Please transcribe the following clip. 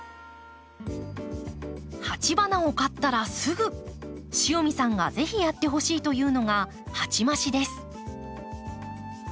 鉢花を買ったらすぐ塩見さんがぜひやってほしいというのが鉢増しです。